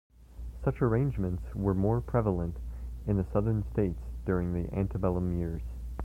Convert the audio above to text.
Such arrangements were more prevalent in the Southern states during the antebellum years.